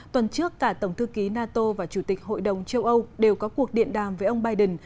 tuần trước cả tổng thư ký nato và chủ tịch hội đồng châu âu đều có cuộc điện đàm với ông biden